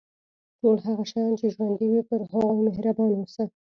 ټول هغه شیان چې ژوندي وي پر هغوی مهربان اوسه.